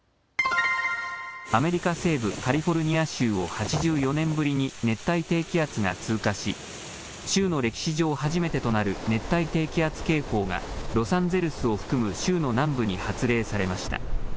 アメリカ西部カリフォルニア州を８４年ぶりに熱帯低気圧が通過し州の歴史上初めてとなる熱帯低気圧警報がロサンゼルスを含む州の南部に発令されました。